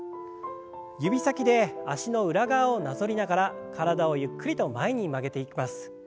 指先で脚の裏側をなぞりながら体をゆっくりと前に曲げていきます。